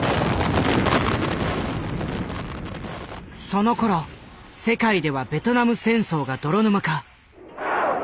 そのころ世界ではベトナム戦争が泥沼化。